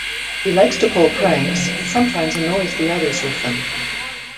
He likes to pull pranks, and sometimes annoys the others with them.